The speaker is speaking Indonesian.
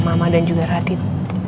sama dan juga radit